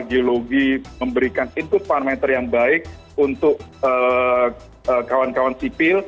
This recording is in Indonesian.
geologi memberikan input parameter yang baik untuk kawan kawan sipil